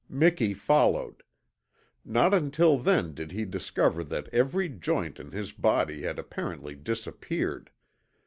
Miki followed. Not until then did he discover that every joint in his body had apparently disappeared.